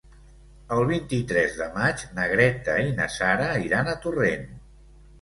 El vint-i-tres de maig na Greta i na Sara iran a Torrent.